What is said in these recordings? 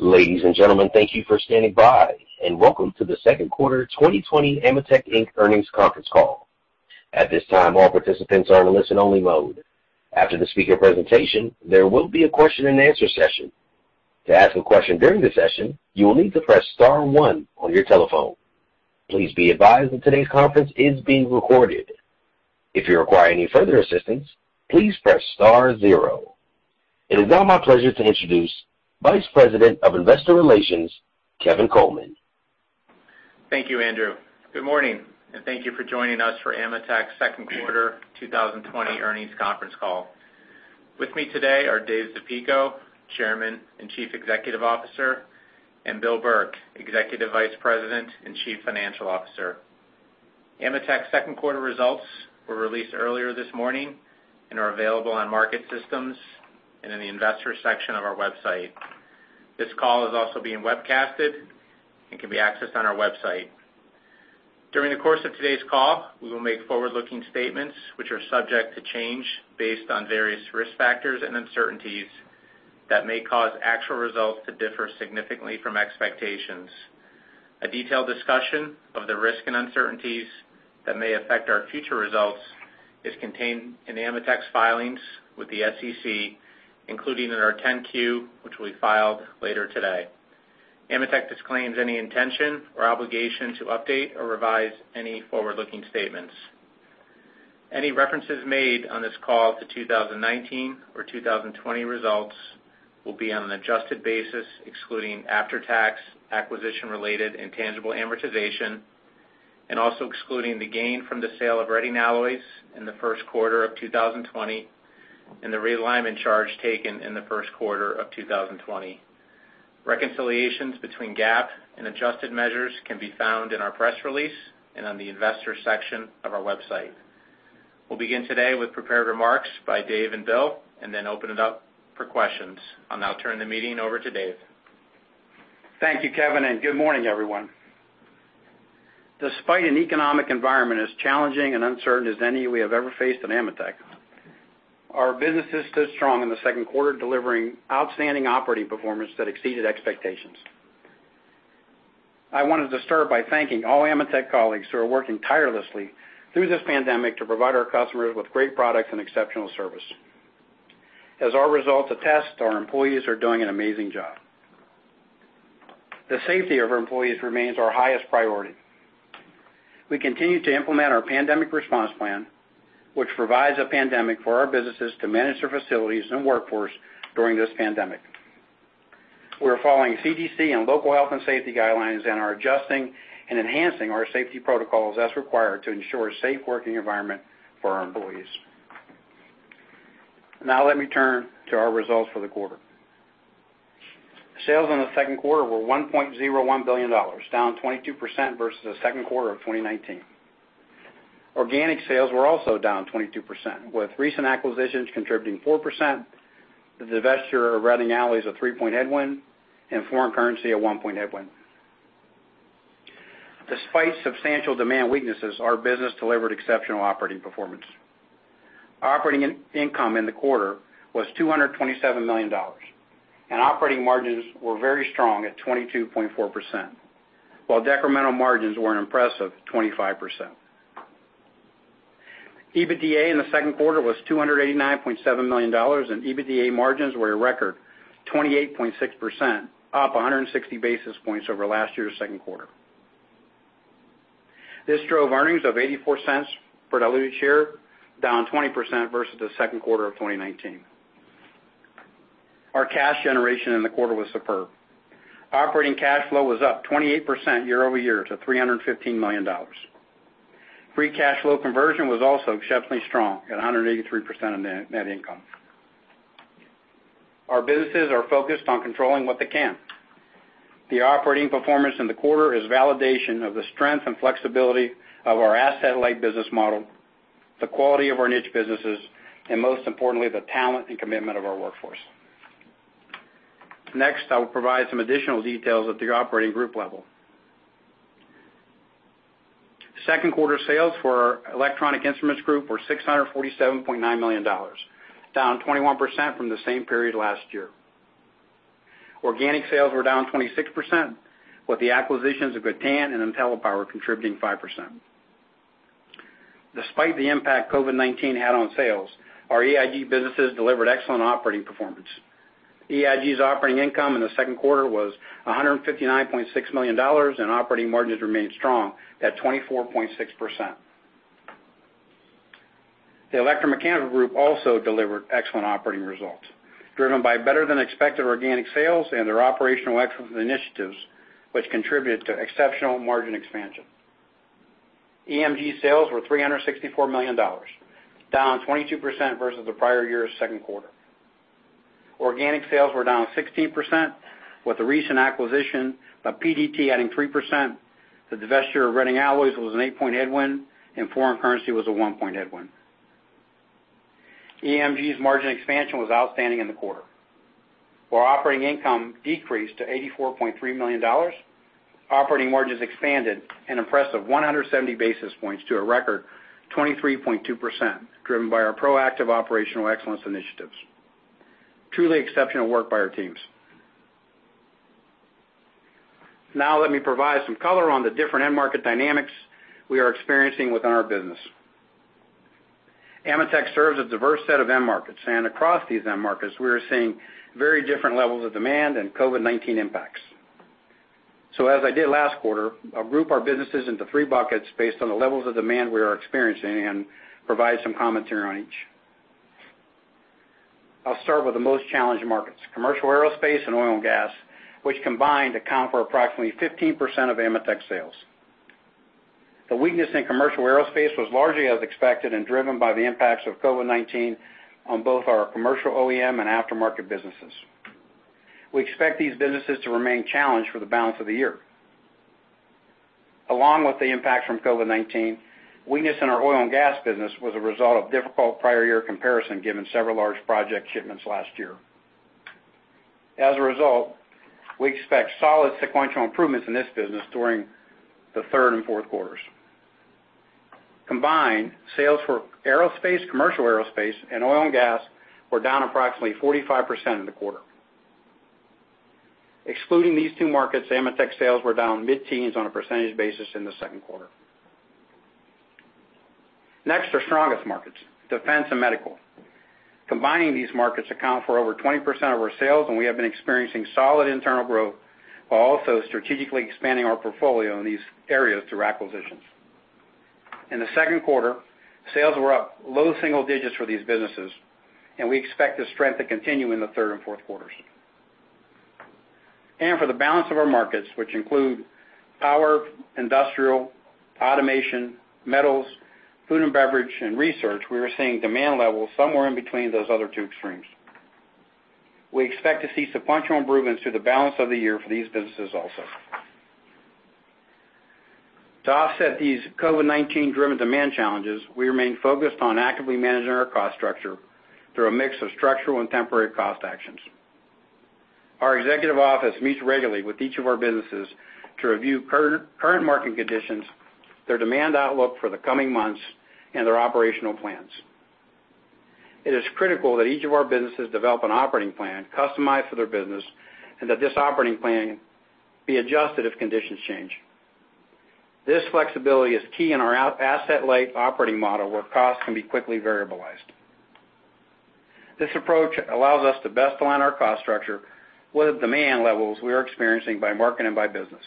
Ladies and gentlemen, thank you for standing by, and welcome to the Second Quarter 2020 AMETEK, Inc. Earnings Conference Call. At this time, all participants are in listen-only mode. After the speaker presentation, there will be a question-and-answer session. To ask a question during the session, you will need to press star one on your telephone. Please be advised that today's conference is being recorded. If you require any further assistance, please press star zero. It is now my pleasure to introduce Vice President of Investor Relations, Kevin Coleman. Thank you, Andrew. Good morning, and thank you for joining us for AMETEK's second quarter 2020 earnings conference call. With me today are Dave Zapico, Chairman and Chief Executive Officer, and Bill Burke, Executive Vice President and Chief Financial Officer. AMETEK's second quarter results were released earlier this morning and are available on market systems and in the investor section of our website. This call is also being webcasted and can be accessed on our website. During the course of today's call, we will make forward-looking statements that are subject to change based on various risk factors and uncertainties that may cause actual results to differ significantly from expectations. A detailed discussion of the risk and uncertainties that may affect our future results is contained in AMETEK's filings with the SEC, including in our 10-Q, which we file later today. AMETEK disclaims any intention or obligation to update or revise any forward-looking statements. Any references made on this call to 2019 or 2020 results will be on an adjusted basis, excluding after-tax acquisition-related intangible amortization and also excluding the gain from the sale of Reading Alloys in the first quarter of 2020, and the realignment charge taken in the first quarter of 2020. Reconciliations between GAAP and adjusted measures can be found in our press release and on the investor section of our website. We'll begin today with prepared remarks by Dave and Bill and then open it up for questions. I'll now turn the meeting over to Dave. Thank you, Kevin. Good morning, everyone. Despite an economic environment as challenging and uncertain as any we have ever faced at AMETEK, our business stood strong in the second quarter, delivering outstanding operating performance that exceeded expectations. I wanted to start by thanking all AMETEK colleagues who are working tirelessly through this pandemic to provide our customers with great products and exceptional service. As our results attest, our employees are doing an amazing job. The safety of our employees remains our highest priority. We continue to implement our pandemic response plan, which provides a [framework] for our businesses to manage their facilities and workforce during this pandemic. We're following CDC and local health and safety guidelines and are adjusting and enhancing our safety protocols as required to ensure a safe working environment for our employees. Let me turn to our results for the quarter. Sales in the second quarter were $1.01 billion, down 22% versus the second quarter of 2019. Organic sales were also down 22%, with recent acquisitions contributing 4%, the divestiture of Reading Alloys a three-point headwind, and foreign currency a one-point headwind. Despite substantial demand weaknesses, our business delivered exceptional operating performance. Operating income in the quarter was $227 million, and operating margins were very strong at 22.4%, while decremental margins were an impressive 25%. EBITDA in the second quarter was $289.7 million, and EBITDA margins were a record 28.6%, up 160 basis points over last year's second quarter. This drove earnings of $0.84 per diluted share, down 20% versus the second quarter of 2019. Our cash generation in the quarter was superb. Operating cash flow was up 28% year-over-year to $315 million. Free cash flow conversion was also exceptionally strong at 183% of net income. Our businesses are focused on controlling what they can. The operating performance in the quarter is validation of the strength and flexibility of our asset-light business model, the quality of our niche businesses, and most importantly, the talent and commitment of our workforce. I will provide some additional details at the operating group level. Second quarter sales for our Electronic Instruments Group were $647.9 million, down 21% from the same period last year. Organic sales were down 26%, with the acquisitions of Gatan and IntelliPower contributing 5%. Despite the impact COVID-19 had on sales, our EIG businesses delivered excellent operating performance. EIG's operating income in the second quarter was $159.6 million, and operating margins remained strong at 24.6%. The Electromechanical Group also delivered excellent operating results, driven by better than expected organic sales and their operational excellence initiatives, which contributed to exceptional margin expansion. EMG sales were $364 million, down 22% versus the prior year's second quarter. Organic sales were down 16%, with the recent acquisition of PDT adding 3%, the divestiture of Reading Alloys was an eight-point headwind, and foreign currency was a one-point headwind. EMG's margin expansion was outstanding in the quarter, where operating income decreased to $84.3 million. Operating margins expanded an impressive 170 basis points to a record 23.2%, driven by our proactive operational excellence initiatives. Truly exceptional work by our teams. Let me provide some color on the different end market dynamics we are experiencing within our business. AMETEK serves a diverse set of end markets, and across these end markets, we are seeing very different levels of demand and COVID-19 impacts. As I did last quarter, I'll group our businesses into three buckets based on the levels of demand we are experiencing and provide some commentary on each. I'll start with the most challenged markets, commercial aerospace and oil and gas, which combined account for approximately 15% of AMETEK sales. The weakness in commercial aerospace was largely as expected and driven by the impacts of COVID-19 on both our commercial OEM and aftermarket businesses. We expect these businesses to remain challenged for the balance of the year. Along with the impact from COVID-19, weakness in our oil and gas business was a result of difficult prior year comparison, given several large project shipments last year. As a result, we expect solid sequential improvements in this business during the third and fourth quarters. Combined, sales for aerospace, commercial aerospace, and oil and gas were down approximately 45% in the quarter. Excluding these two markets, AMETEK sales were down mid-teens on a percentage basis in the second quarter. Our strongest markets are defense and medical. Combining these markets accounts for over 20% of our sales, and we have been experiencing solid internal growth while also strategically expanding our portfolio in these areas through acquisitions. In the second quarter, sales were up low-single-digits for these businesses, and we expect this strength to continue in the third and fourth quarters. For the balance of our markets, which include power, industrial, automation, metals, food and beverage, and research, we are seeing demand levels somewhere in between those other two extremes. We expect to see sequential improvements through the balance of the year for these businesses also. To offset these COVID-19-driven demand challenges, we remain focused on actively managing our cost structure through a mix of structural and temporary cost actions. Our executive office meets regularly with each of our businesses to review current marketing conditions, their demand outlook for the coming months, and their operational plans. It is critical that each of our businesses develop an operating plan customized for their business and that this operating plan be adjusted if conditions change. This flexibility is key in our asset-light operating model, where costs can be quickly variabilized. This approach allows us to best align our cost structure with the demand levels we are experiencing by market and by business.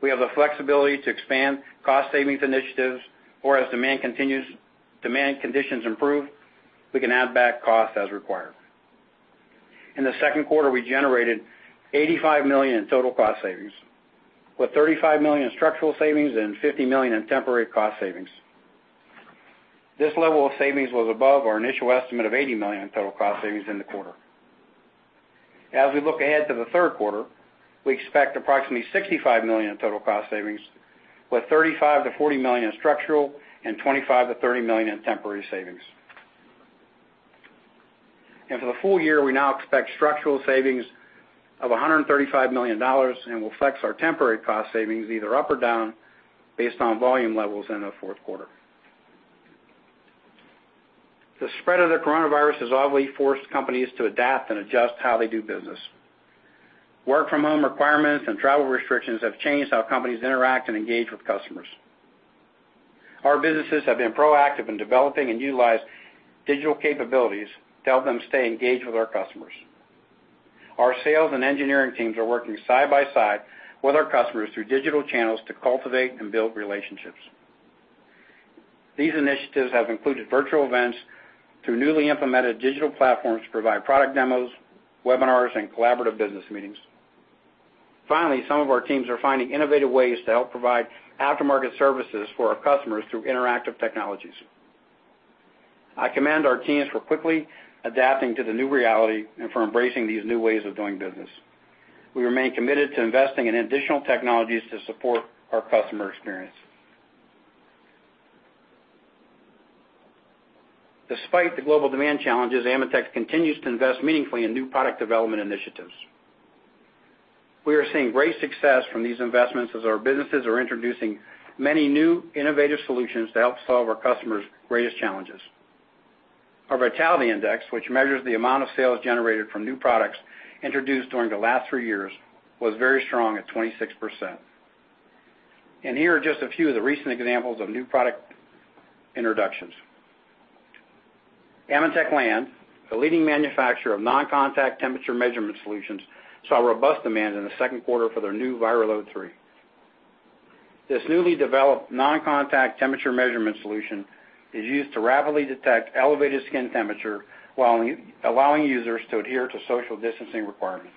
We have the flexibility to expand cost savings initiatives, or as demand conditions improve, we can add back costs as required. In the second quarter, we generated $85 million in total cost savings, with $35 million in structural savings and $50 million in temporary cost savings. This level of savings was above our initial estimate of $80 million in total cost savings in the quarter. As we look ahead to the third quarter, we expect approximately $65 million in total cost savings, with $35 million-$40 million in structural and $25 million-$30 million in temporary savings. For the full year, we now expect structural savings of $135 million and will flex our temporary cost savings either up or down based on volume levels in the fourth quarter. The spread of the coronavirus has oddly forced companies to adapt and adjust how they do business. Work-from-home requirements and travel restrictions have changed how companies interact and engage with customers. Our businesses have been proactive in developing and utilizing digital capabilities to help them stay engaged with our customers. Our sales and engineering teams are working side by side with our customers through digital channels to cultivate and build relationships. These initiatives have included virtual events through newly implemented digital platforms to provide product demos, webinars, and collaborative business meetings. Some of our teams are finding innovative ways to help provide aftermarket services for our customers through interactive technologies. I commend our teams for quickly adapting to the new reality and for embracing these new ways of doing business. We remain committed to investing in additional technologies to support our customer experience. Despite the global demand challenges, AMETEK continues to invest meaningfully in new product development initiatives. We are seeing great success from these investments as our businesses are introducing many new innovative solutions to help solve our customers' greatest challenges. Our vitality index, which measures the amount of sales generated from new products introduced during the last three years, was very strong at 26%. Here are just a few of the recent examples of new product introductions. AMETEK Land, the leading manufacturer of non-contact temperature measurement solutions, saw robust demand in the second quarter for their new VIRALERT 3. This newly developed non-contact temperature measurement solution is used to rapidly detect elevated skin temperature while allowing users to adhere to social distancing requirements.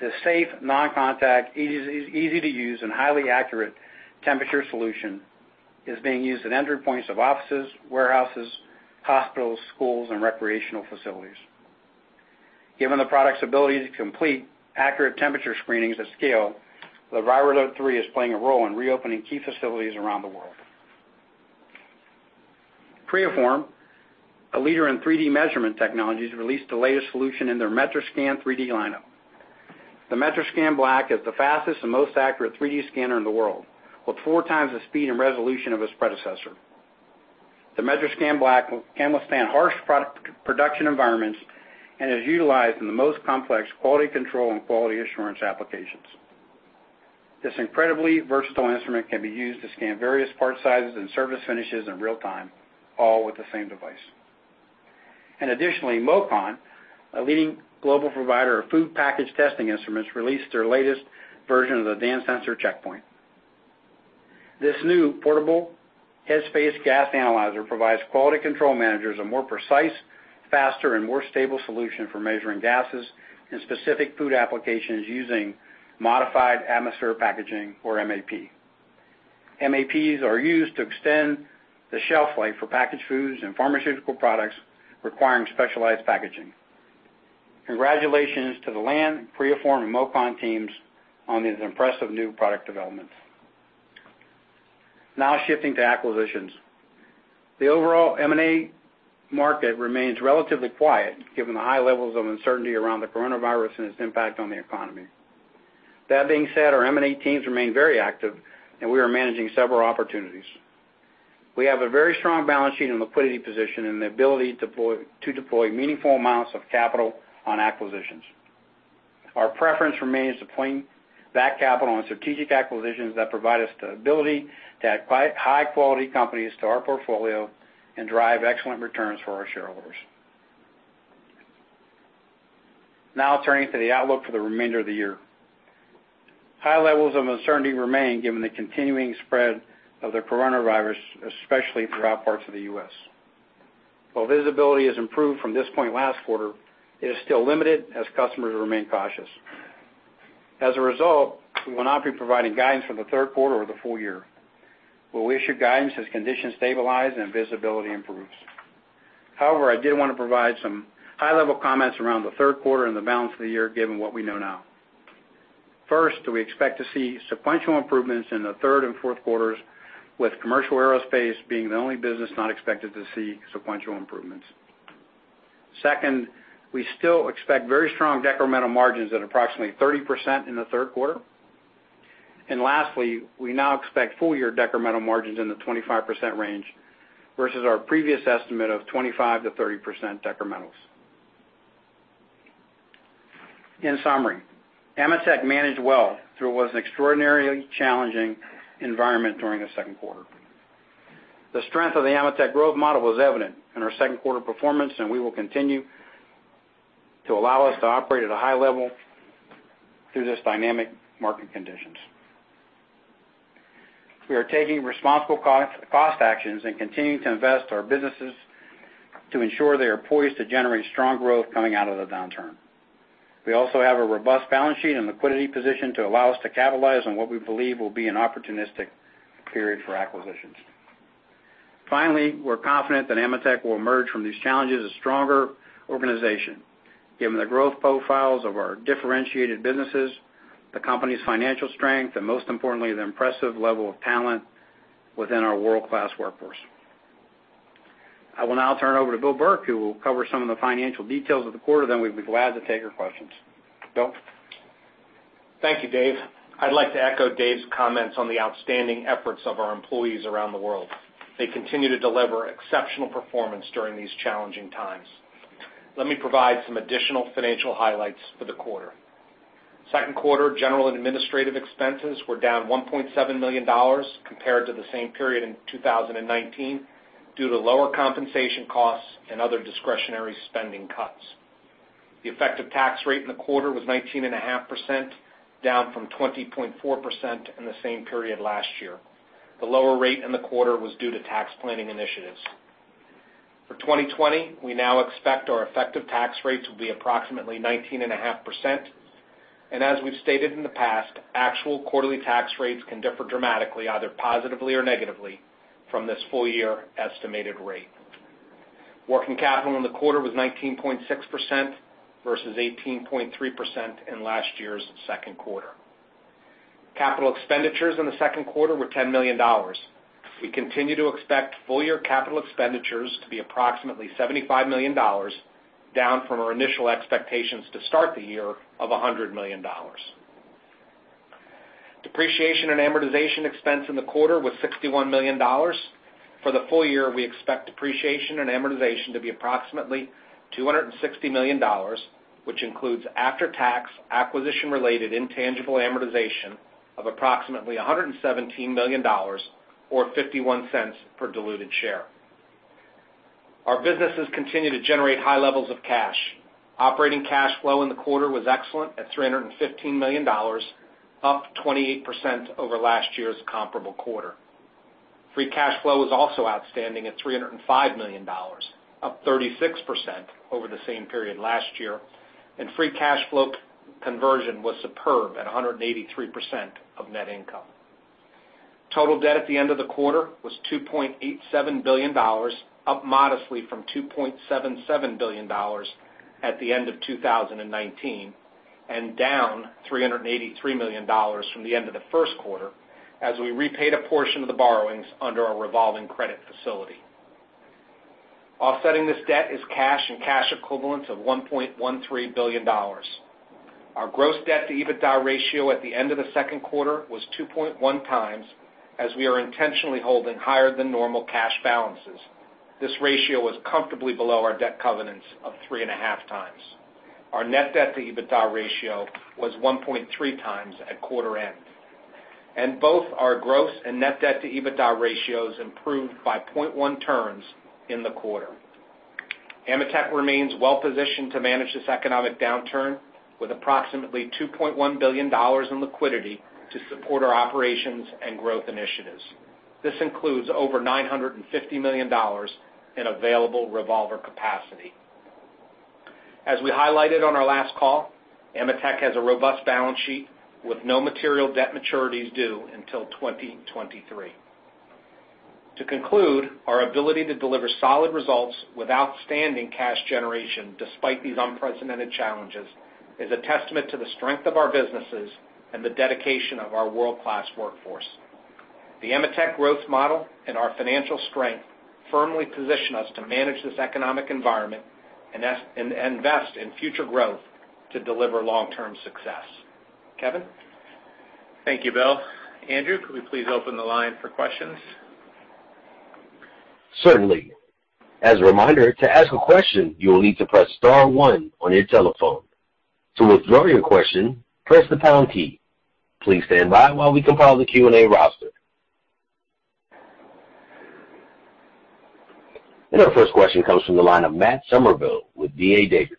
This safe, non-contact, easy-to-use, and highly accurate temperature solution is being used at entry points of offices, warehouses, hospitals, schools, and recreational facilities. Given the product's ability to complete accurate temperature screenings at scale, the VIRALERT 3 is playing a role in reopening key facilities around the world. Creaform, a leader in 3D measurement technologies, released the latest solution in their MetraSCAN 3D lineup. The MetraSCAN BLACK is the fastest and most accurate 3D scanner in the world, with four times the speed and resolution of its predecessor. The MetraSCAN BLACK can withstand harsh production environments and is utilized in the most complex quality control and quality assurance applications. This incredibly versatile instrument can be used to scan various part sizes and surface finishes in real time, all with the same device. Additionally, MOCON, a leading global provider of food package testing instruments, released their latest version of the Dansensor CheckPoint. This new portable headspace gas analyzer provides quality control managers a more precise, faster, and more stable solution for measuring gases in specific food applications using modified atmosphere packaging or MAP. MAPs are used to extend the shelf life for packaged foods and pharmaceutical products requiring specialized packaging. Congratulations to the Land, Creaform, and MOCON teams on these impressive new product developments. Now shifting to acquisitions. The overall M&A market remains relatively quiet given the high levels of uncertainty around the coronavirus and its impact on the economy. That being said, our M&A teams remain very active, and we are managing several opportunities. We have a very strong balance sheet and liquidity position and the ability to deploy meaningful amounts of capital on acquisitions. Our preference remains deploying that capital on strategic acquisitions that provide us the ability to add high-quality companies to our portfolio and drive excellent returns for our shareholders. Now turning to the outlook for the remainder of the year. High levels of uncertainty remain given the continuing spread of the coronavirus, especially throughout parts of the U.S. While visibility has improved from this point last quarter, it is still limited as customers remain cautious. As a result, we will not be providing guidance for the third quarter or the full year. We'll issue guidance as conditions stabilize and visibility improves. However, I did want to provide some high-level comments around the third quarter and the balance of the year, given what we know now. First, we expect to see sequential improvements in the third and fourth quarters, with commercial aerospace being the only business not expected to see sequential improvements. Second, we still expect very strong decremental margins at approximately 30% in the third quarter. Lastly, we now expect full-year decremental margins in the 25% range versus our previous estimate of 25%-30% decrementals. In summary, AMETEK managed well through what was an extraordinarily challenging environment during the second quarter. The strength of the AMETEK growth model was evident in our second quarter performance, and we will continue to allow it to operate at a high level through these dynamic market conditions. We are taking responsible cost actions and continuing to invest in our businesses to ensure they are poised to generate strong growth coming out of the downturn. We also have a robust balance sheet and liquidity position to allow us to capitalize on what we believe will be an opportunistic period for acquisitions. Finally, we're confident that AMETEK will emerge from these challenges a stronger organization, given the growth profiles of our differentiated businesses, the company's financial strength, and most importantly, the impressive level of talent within our world-class workforce. I will now turn it over to Bill Burke, who will cover some of the financial details of the quarter. We'd be glad to take your questions. Bill? Thank you, Dave. I'd like to echo Dave's comments on the outstanding efforts of our employees around the world. They continue to deliver exceptional performance during these challenging times. Let me provide some additional financial highlights for the quarter. Second quarter general and administrative expenses were down $1.7 million compared to the same period in 2019, due to lower compensation costs and other discretionary spending cuts. The effective tax rate in the quarter was 19.5%, down from 20.4% in the same period last year. The lower rate in the quarter was due to tax planning initiatives. For 2020, we now expect our effective tax rates will be approximately 19.5%, and as we've stated in the past, actual quarterly tax rates can differ dramatically, either positively or negatively, from this full-year estimated rate. Working capital in the quarter was 19.6% versus 18.3% in last year's second quarter. Capital expenditures in the second quarter were $10 million. We continue to expect full-year capital expenditures to be approximately $75 million, down from our initial expectations to start the year of $100 million. Depreciation and amortization expense in the quarter was $61 million. For the full year, we expect depreciation and amortization to be approximately $260 million, which includes after-tax acquisition-related intangible amortization of approximately $117 million, or $0.51 per diluted share. Our businesses continue to generate high levels of cash. Operating cash flow in the quarter was excellent at $315 million, up 28% over last year's comparable quarter. Free cash flow was also outstanding at $305 million, up 36% over the same period last year, and free cash flow conversion was superb at 183% of net income. Total debt at the end of the quarter was $2.87 billion, up modestly from $2.77 billion at the end of 2019. Down $383 million from the end of the first quarter as we repaid a portion of the borrowings under our revolving credit facility. Offsetting this debt is cash and cash equivalents of $1.13 billion. Our gross debt-to-EBITDA ratio at the end of the second quarter was 2.1x, as we are intentionally holding higher than normal cash balances. This ratio was comfortably below our debt covenants of 3.5x. Our net debt to EBITDA ratio was 1.3x at quarter-end. Both our gross and net debt to EBITDA ratios improved by 0.1x in the quarter. AMETEK remains well-positioned to manage this economic downturn with approximately $2.1 billion in liquidity to support our operations and growth initiatives. This includes over $950 million in available revolver capacity. As we highlighted on our last call, AMETEK has a robust balance sheet with no material debt maturities due until 2023. To conclude, our ability to deliver solid results with outstanding cash generation despite these unprecedented challenges is a testament to the strength of our businesses and the dedication of our world-class workforce. The AMETEK growth model and our financial strength firmly position us to manage this economic environment and invest in future growth to deliver long-term success. Kevin? Thank you, Bill. Andrew, could we please open the line for questions? Certainly. As a reminder, to ask a question, you will need to press star one on your telephone. To withdraw your question, press the pound key. Please stand by while we compile the Q&A roster. Our first question comes from the line of Matt Summerville with D.A. Davidson.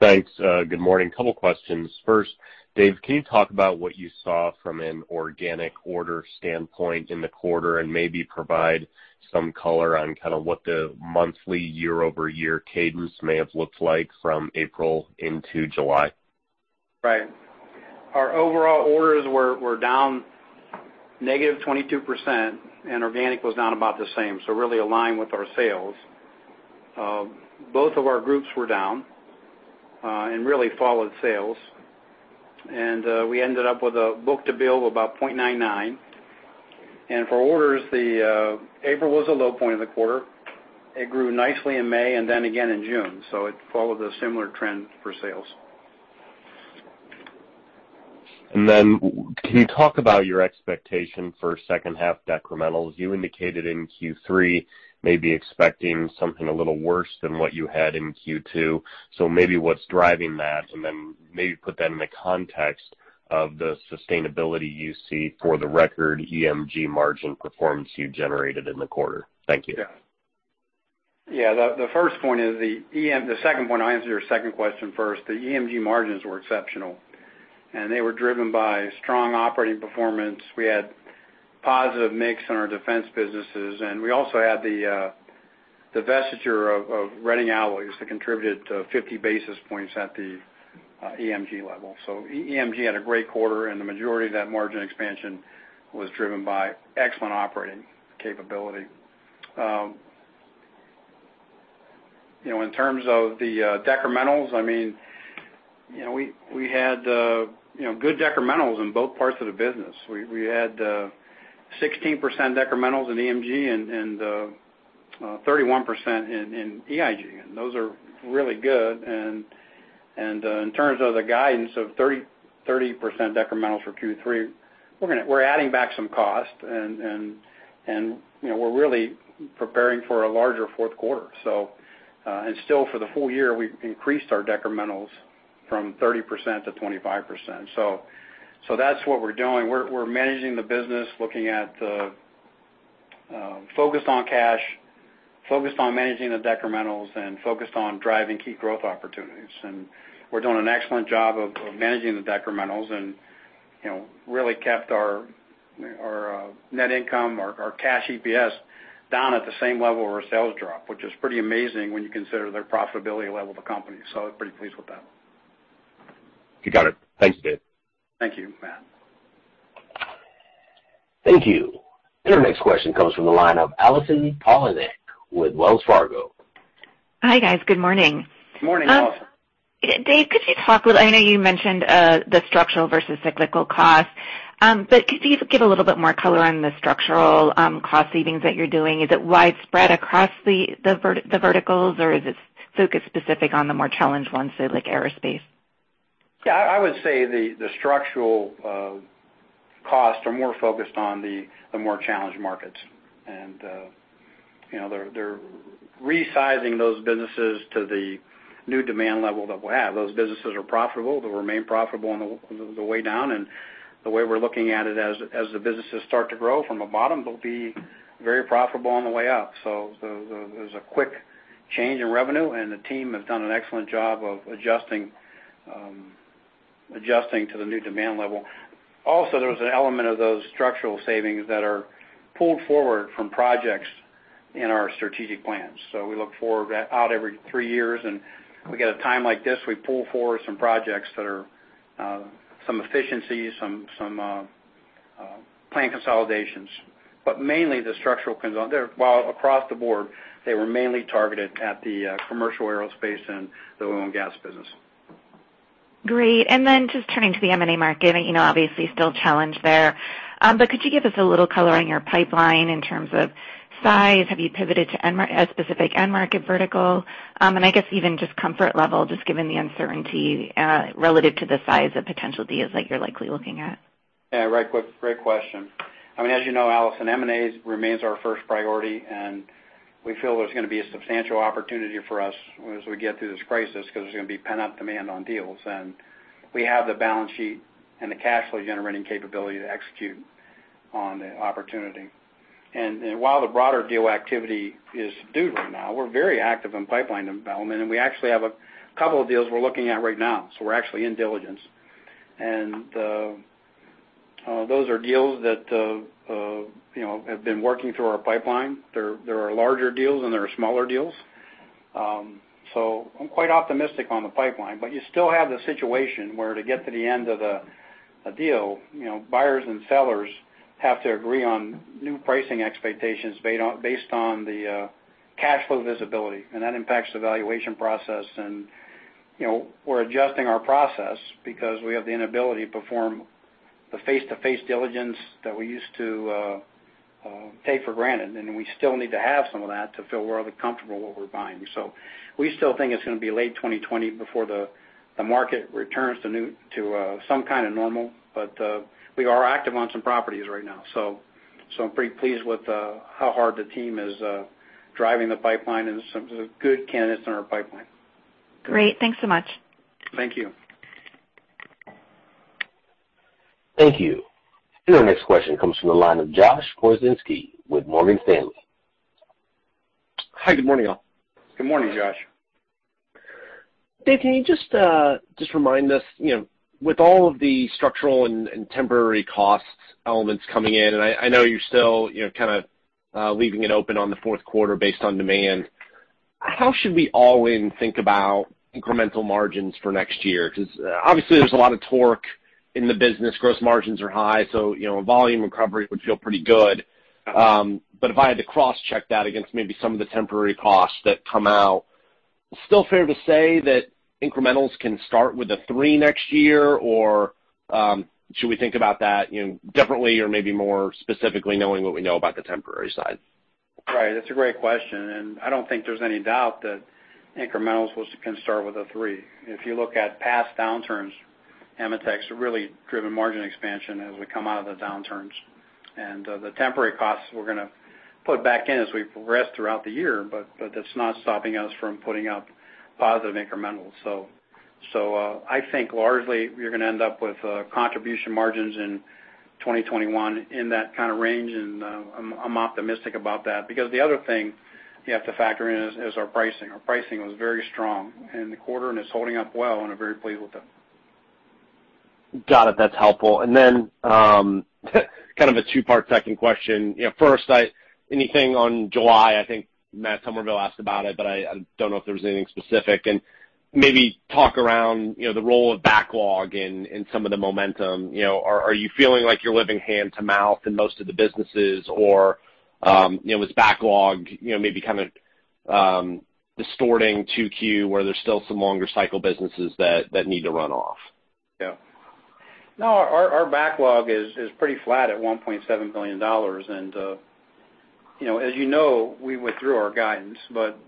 Thanks. Good morning. A couple of questions. First, Dave, can you talk about what you saw from an organic order standpoint in the quarter and maybe provide some color on kind of what the monthly year-over-year cadence may have looked like from April into July? Right. Our overall orders were down negative 22%, and organic was down about the same, so they really aligned with our sales. Both of our groups were down and really followed sales. We ended up with a book-to-bill of about 0.99. For orders, April was a low point of the quarter. It grew nicely in May and then again in June, so it followed a similar trend for sales. Can you talk about your expectation for second-half decrementals? You indicated in Q3 maybe expecting something a little worse than what you had in Q2. Maybe that's what's driving that, and then maybe put that in the context of the sustainability you see for the record EMG margin performance you generated in the quarter. Thank you. Yeah. The second one. I'll answer your second question first. The EMG margins were exceptional, and they were driven by strong operating performance. We had a positive mix in our defense businesses, and we also had the divestiture of Reading Alloys that contributed to 50 basis points at the EMG level. EMG had a great quarter, and the majority of that margin expansion was driven by excellent operating capability. In terms of the decrementals, we had good decrementals in both parts of the business. We had 16% decrementals in EMG and 31% in EIG. Those are really good. In terms of the guidance of 30% decrementals for Q3, we're adding back some cost, and we're really preparing for a larger fourth quarter. Still for the full year, we've increased our decrementals from 30%-25%. That's what we're doing. We're managing the business, looking at the focused on cash, focused on managing the decrementals, and focused on driving key growth opportunities. We're doing an excellent job of managing the decrementals and really keeping our net income, our cash EPS down at the same level where sales dropped, which is pretty amazing when you consider their profitability level of the company. I'm pretty pleased with that. You got it. Thanks, Dave. Thank you, Matt. Thank you. Our next question comes from the line of Allison Poliniak with Wells Fargo. Hi, guys. Good morning. Good morning, Allison. Dave, could you talk? I know you mentioned the structural versus cyclical cost. Could you give a little bit more color on the structural cost savings that you're doing? Is it widespread across the verticals, or is it focused specifically on the more challenged ones, say, like aerospace? Yeah, I would say the structural costs are more focused on the more challenged markets. They're resizing those businesses to the new demand level that we have. Those businesses are profitable. They'll remain profitable on the way down, and the way we're looking at it, as the businesses start to grow from a bottom, they'll be very profitable on the way up. There's a quick change in revenue, and the team has done an excellent job of adjusting to the new demand level. Also, there was an element of those structural savings that are pulled forward from projects in our strategic plans. We look out every three years, and when we get a time like this, we pull forward some projects that are some efficiencies. Plan consolidations, but mainly the structural consolidations. While across the board, they were mainly targeted at the commercial aerospace and the oil and gas business. Great. Just turning to the M&A market, obviously still challenged there. Could you give us a little color on your pipeline in terms of size? Have you pivoted to a specific end-market vertical? I guess even just comfort level, just given the uncertainty, relative to the size of potential deals that you're likely looking at. Yeah, great question. As you know, Allison, M&A remains our first priority, and we feel there's going to be a substantial opportunity for us as we get through this crisis because there's going to be pent-up demand on deals. We have the balance sheet and the cash flow-generating capability to execute on the opportunity. While the broader deal activity is subdued right now, we're very active in pipeline development, and we actually have a couple of deals we're looking at right now. We're actually in diligence. Those are deals that have been working through our pipeline. There are larger deals and there are smaller deals. I'm quite optimistic about the pipeline. You still have the situation where to get to the end of a deal, buyers and sellers have to agree on new pricing expectations based on the cash flow visibility, and that impacts the valuation process. We're adjusting our process because we have the inability to perform the face-to-face diligence that we used to take for granted, and we still need to have some of that to feel really comfortable with what we're buying. We still think it's going to be late 2020 before the market returns to some kind of normal, but we are active on some properties right now. I'm pretty pleased with how hard the team is driving the pipeline and some of the good candidates in our pipeline. Great. Thanks so much. Thank you. Thank you. Your next question comes from the line of Josh Pokrzywinski with Morgan Stanley. Hi, good morning, all. Good morning, Josh. Dave, can you just remind us, with all of the structural and temporary cost elements coming in, I know you're still kind of leaving it open on the fourth quarter based on demand. How should we all think about incremental margins for next year? Obviously there's a lot of torque in the business. Gross margins are high, so a volume recovery would feel pretty good. If I had to cross-check that against maybe some of the temporary costs that come out, it would still be fair to say that incrementals can start with a three next year, or should we think about that differently or maybe more specifically knowing what we know about the temporary side? Right. That's a great question. I don't think there's any doubt that incrementals can start with a three. If you look at past downturns, AMETEK's really driven margin expansion as we come out of the downturns. The temporary costs we're going to put back in as we progress throughout the year, that's not stopping us from putting up positive incrementals. I think largely we are going to end up with contribution margins in 2021 in that kind of range. I'm optimistic about that because the other thing you have to factor in is our pricing. Our pricing was very strong in the quarter, it's holding up well. I'm very pleased with it. Got it. That's helpful. Then kind of a two-part second question. First, anything in July? I think Matt Summerville asked about it, but I don't know if there was anything specific. Maybe talk about the role of backlog in some of the momentum. Are you feeling like you're living hand to mouth in most of the businesses, or was the backlog maybe kind of distorting 2Q, where there are still some longer-cycle businesses that need to run off? No, our backlog is pretty flat at $1.7 billion. As you know, we withdrew our guidance, what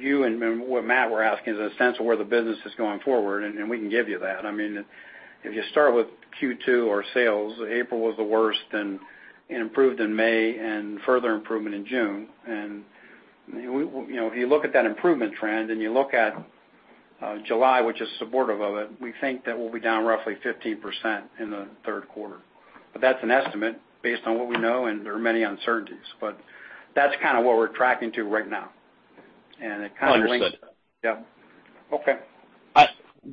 you and what Matt were asking is a sense of where the business is going forward, and we can give you that. If you start with Q2 or sales, April was the worst, it improved in May and further improved in June. If you look at that improvement trend and you look at July, which is supportive of it, we think that we'll be down roughly 15% in the third quarter. That's an estimate based on what we know, and there are many uncertainties. That's kind of what we're tracking too right now. Understood. Yeah. Okay.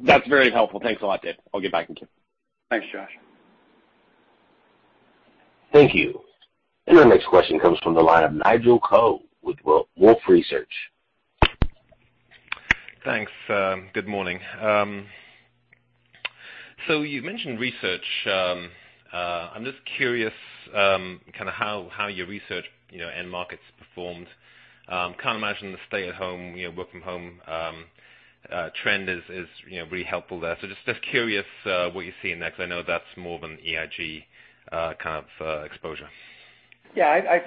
That's very helpful. Thanks a lot, Dave. I'll give back in queue. Thanks, Josh. Thank you. Our next question comes from the line of Nigel Coe with Wolfe Research. Thanks. Good morning. You mentioned research. I'm just curious how your research end markets performed. Can't imagine the stay-at-home, work-from-home trend is very helpful there. Just curious what you see in that, because I know that's more of an EIG kind of exposure. Yeah,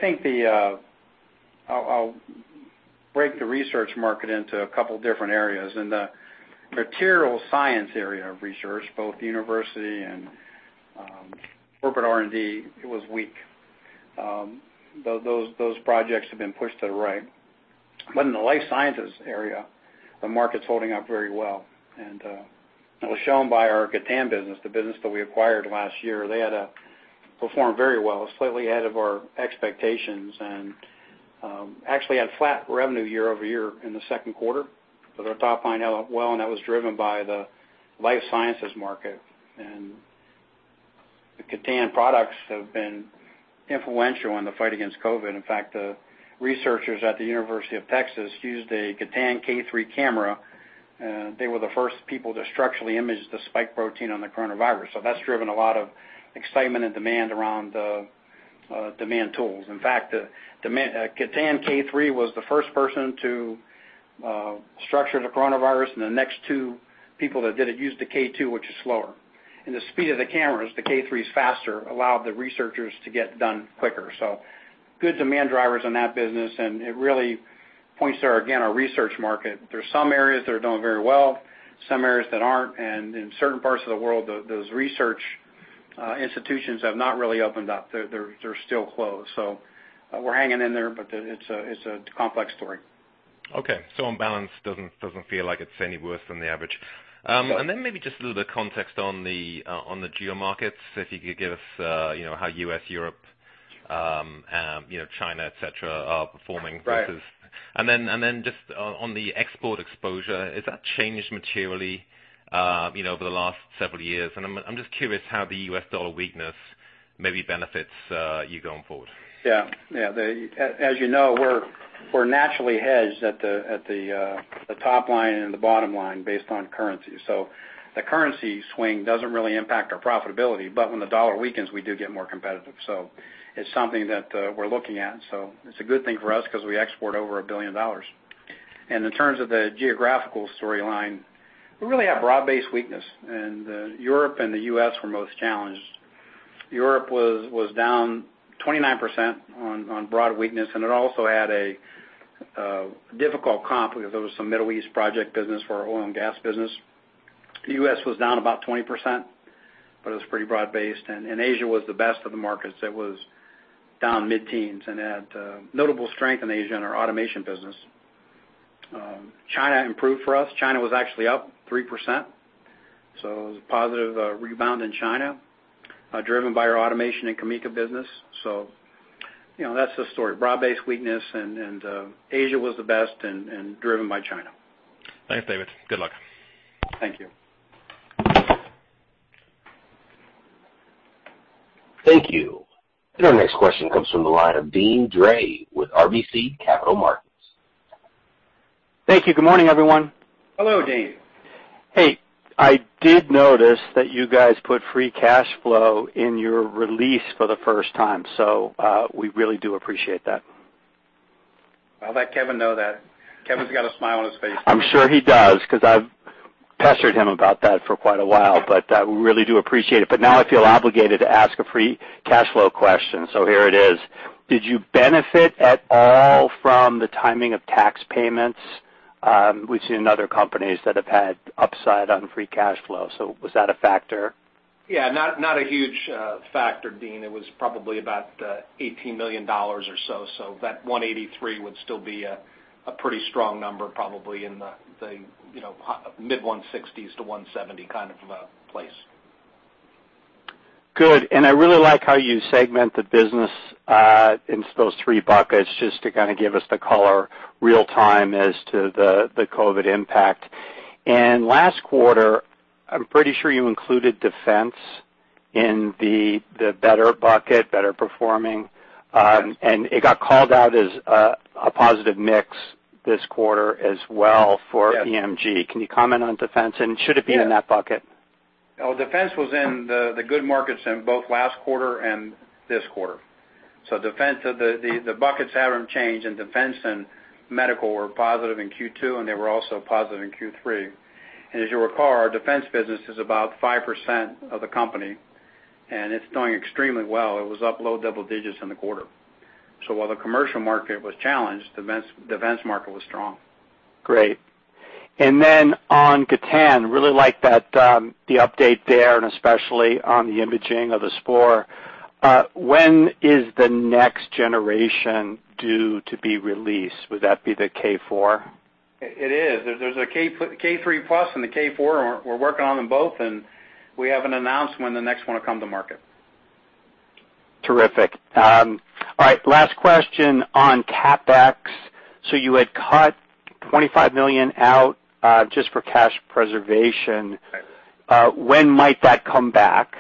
I'll break the research market into a couple different areas. In the material science area of research, both university and corporate R&D, it was weak. Those projects have been pushed to the right. In the life sciences area, the market's holding up very well. It was shown by our Gatan business, the business that we acquired last year. They had performed very well, slightly ahead of our expectations, and actually had flat revenue year-over-year in the second quarter. Their top line held up well, and that was driven by the life sciences market. The Gatan products have been influential in the fight against COVID. In fact, researchers at the University of Texas used a Gatan K3 camera. They were the first people to structurally image the spike protein on the coronavirus, that's driven a lot of excitement and demand around demand tools. In fact, Gatan K3 was the first person to structure the coronavirus; the next two people that did it used the K2, which is slower. The speed of the cameras, the K3's faster speed, allowed the researchers to get done quicker. Good demand drivers in that business really point to, again, our research market. There are some areas that are doing very well and some areas that aren't, in certain parts of the world, those research institutions have not really opened up. They're still closed. We're hanging in there, it's a complex story. Okay. On balance, it doesn't feel like it's any worse than the average. No. Maybe just a little bit of context on the geo-markets, if you could give us how the U.S., Europe, and China, et cetera, are performing versus? Right. Then just on the export exposure, has that changed materially over the last several years? And I'm just curious how the U.S. dollar weakness maybe benefits you going forward. Yeah. As you know, we're naturally hedged at the top line and the bottom line based on currency. The currency swing doesn't really impact our profitability, but when the dollar weakens, we do get more competitive. It's something that we're looking at. It's a good thing for us because we export over $1 billion. In terms of the geographical storyline, we really have broad-based weakness, and Europe and the U.S. were most challenged. Europe was down 29% on broad weakness, and it also had a difficult comp because there was some Middle East project business for our oil and gas business. The U.S. was down about 20%, but it was pretty broad-based, and Asia was the best of the markets. It was down mid-teens and had notable strength in Asia in our automation business. China improved for us. China was actually up 3%. It was a positive rebound in China, driven by our automation and CAMECA business. That's the story. Broad-based weakness. Asia was the best. Driven by China. Thanks, David. Good luck. Thank you. Thank you. Our next question comes from the line of Deane Dray with RBC Capital Markets. Thank you. Good morning, everyone. Hello, Deane. Hey. I did notice that you guys put free cash flow in your release for the first time, so we really do appreciate that. I'll let Kevin know that. Kevin's got a smile on his face. I'm sure he does, because I've pestered him about that for quite a while, but we really do appreciate it. Now I feel obligated to ask a free cash flow question, so here it is. Did you benefit at all from the timing of tax payments? We've seen other companies that have had upside on free cash flow. Was that a factor? Yeah, not a huge factor, Deane. It was probably about $18 million or so. That 183 would still be a pretty strong number, probably in the mid-160s to 170 kind of place. Good. I really like how you segment the business into those three buckets, just to kind of give us the color in real time as to the COVID impact. Last quarter, I'm pretty sure you included defense in the better bucket, better-performing— Yes. ...It got called out as a positive mix this quarter as well for— Yes ...EMG. Can you comment on defense— Yes... be in that bucket? Defense was in the good markets in both last quarter and this quarter. Defense, the buckets haven't changed. Defense and medical were positive in Q2. They were also positive in Q3. As you'll recall, our defense business is about 5% of the company, and it's doing extremely well. It was up low-double-digits in the quarter. While the commercial market was challenged, defense market was strong. Great. Then on Gatan, really like the update there, especially on the imaging of the spike protein. When is the next generation due to be released? Would that be the K4? It is. There's a K3 plus and the K4, and we're working on them both, and we have an announcement: the next one will come to market. Terrific. All right. Last question on CapEx. You had cut $25 million out just for cash preservation. Right. When might that come back?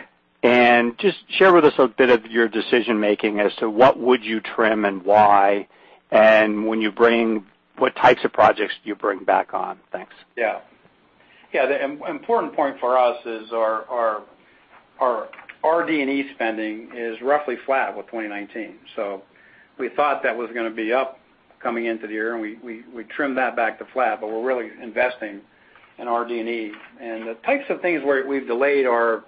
Just share with us a bit of your decision-making as to what you would trim and why and what types of projects do you bring back on? Thanks. Yeah. The important point for us is our RD&E spending is roughly flat with 2019. We thought that was going to be up coming into the year, and we trimmed that back to flat, but we're really investing in RD&E. The types of things where we've delayed our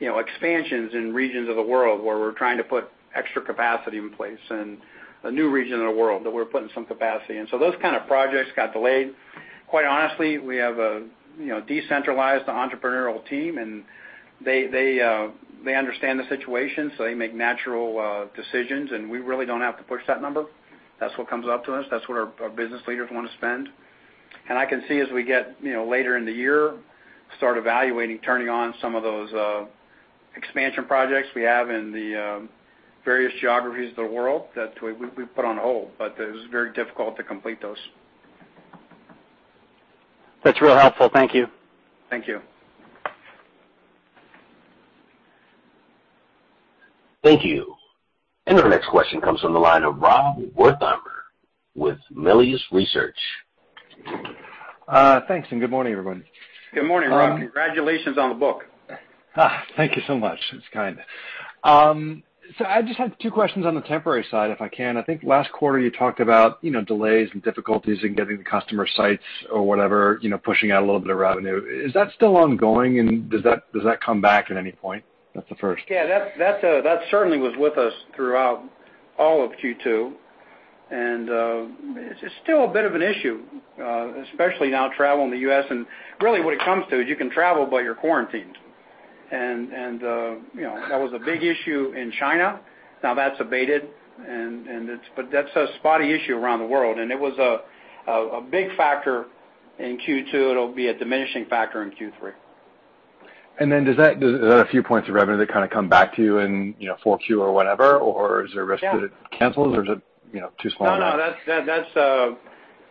expansions in regions of the world where we're trying to put extra capacity in place, in a new region of the world that we're putting some capacity in. Those kinds of projects got delayed. Quite honestly, we have a decentralized entrepreneurial team, and they understand the situation, so they make natural decisions, and we really don't have to push that number. That's what comes up to us. That's what our business leaders want to spend. I can see as we get later in the year, we start evaluating turning on some of those expansion projects we have in the various geographies of the world that we've put on hold. It was very difficult to complete those. That's really helpful. Thank you. Thank you. Thank you. Our next question comes from the line of Rob Wertheimer with Melius Research. Thanks, and good morning, everyone. Good morning, Rob. Congratulations on the book. Thank you so much. That's kind. I just have two questions on the temporary side, if I can. I think last quarter you talked about delays and difficulties in getting the customer sites or whatever, pushing out a little bit of revenue. Is that still ongoing, and does that come back at any point? That's the first. Yeah, that certainly was with us throughout all of Q2, and it's still a bit of an issue, especially now traveling the U.S. Really what it comes to is you can travel, but you're quarantined. That was a big issue in China. Now that's abated, but that's a spotty issue around the world, and it was a big factor in Q2. It'll be a diminishing factor in Q3. Is that a few points of revenue that kind of come back to you in 4Q or whatever? Or is there a risk— Yeah ...that it cancels, or is it too small? No,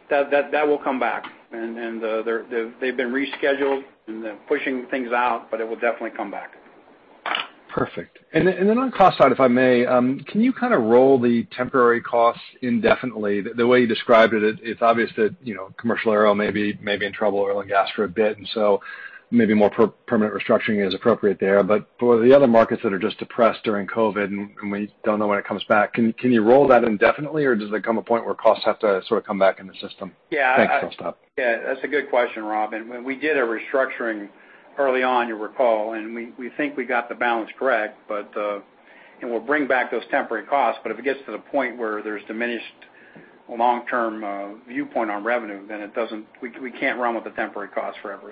that will come back. They've been rescheduled. They're pushing things out. It will definitely come back. Perfect. Then on the cost side, if I may, can you kind of roll the temporary costs indefinitely? The way you described it, it's obvious that commercial aero may be in trouble, oil and gas for a bit, so maybe more permanent restructuring is appropriate there. For the other markets that are just depressed during COVID and we don't know when they will come back, can you roll that indefinitely, or does it come to a point where costs have to sort of come back into the system? Yeah. Thanks. I'll stop. Yeah, that's a good question, Rob. We did a restructuring early on, you recall, and we think we got the balance correct. We'll bring back those temporary costs, but if it gets to the point where there's a diminished long-term viewpoint on revenue, then we can't run with the temporary costs forever.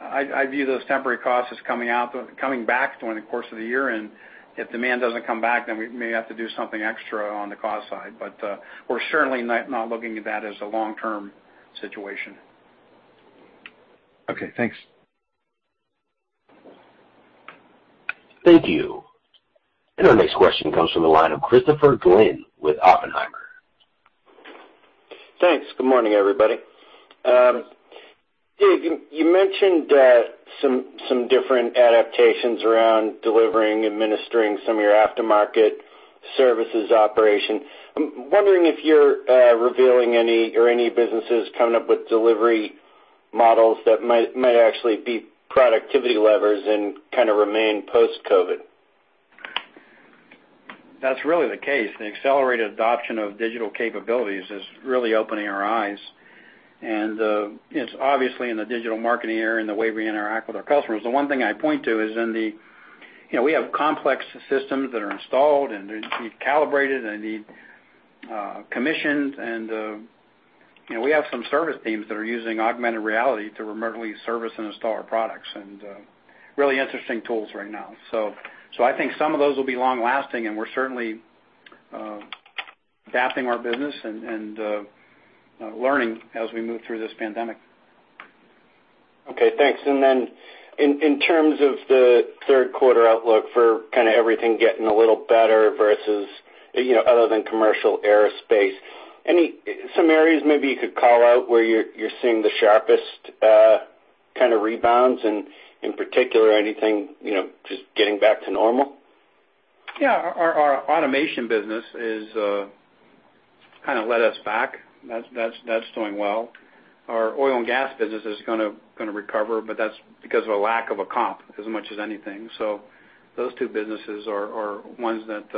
I view those temporary costs as coming back during the course of the year, and if demand doesn't come back, then we may have to do something extra on the cost side. We're certainly not looking at that as a long-term situation. Okay, thanks. Thank you. Our next question comes from the line of Christopher Glynn with Oppenheimer. Thanks. Good morning, everybody. David, you mentioned some different adaptations around delivering and administering some of your aftermarket services operations. I'm wondering if you're revealing any or if any business is coming up with delivery models that might actually be productivity levers and kind of remain post-COVID? That's really the case. The accelerated adoption of digital capabilities is really opening our eyes, and it's obviously in the digital marketing area and the way we interact with our customers. The one thing I point to is we have complex systems that are installed, and they need to be calibrated, they need commissioning, and we have some service teams that are using augmented reality to remotely service and install our products and really interesting tools right now. I think some of those will be long-lasting, and we're certainly adapting our business and learning as we move through this pandemic. Okay, thanks. Then in terms of the third quarter outlook for kind of everything getting a little better, other than commercial aerospace, are there some areas you could maybe call out where you're seeing the sharpest kind of rebounds, and in particular, anything just getting back to normal? Yeah. Our automation business has kind of led us back. That's doing well. Our oil and gas business is going to recover, but that's because of a lack of a comp as much as anything. Those two businesses are ones that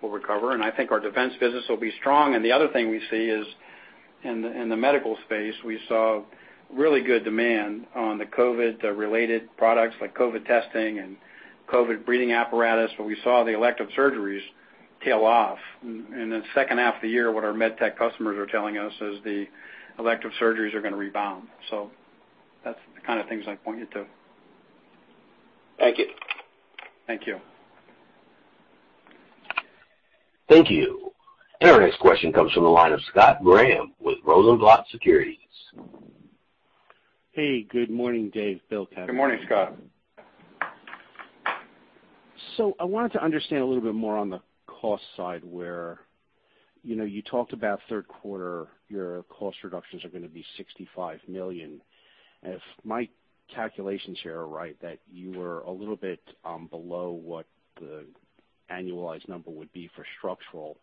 will recover, and I think our defense business will be strong, and the other thing we see is in the medical space, we saw really good demand for the COVID-related products like COVID testing and COVID breathing apparatus, but we saw the elective surgeries tail off. In the second half of the year, what our med-tech customers are telling us is the elective surgeries are going to rebound. That's the kind of thing I pointed to. Thank you. Thank you. Thank you. Our next question comes from the line of Scott Graham with Rosenblatt Securities. Hey, good morning, Dave, Bill, and Kevin Good morning, Scott. I wanted to understand a little bit more on the cost side, where you talked about the third quarter; your cost reductions are going to be $65 million. If my calculations here are right, you were a little bit below what the annualized number would be for structural